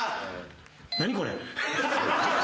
何これ？